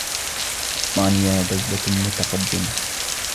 إسبانيا دولة متقدمة.